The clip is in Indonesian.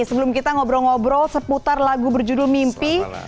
sebelum kita ngobrol ngobrol seputar lagu berjudul mimpi